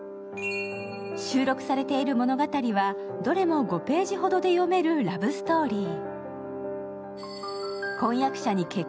収録されている物語はどれも５ページほどで読めるラブストーリー。